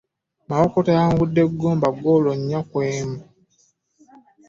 Mawokota yawangula Gomba ggoolo nnya ku emu.